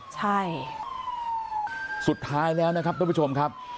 ใช่สุดท้ายแล้วนะครับท่านผู้ชมครับ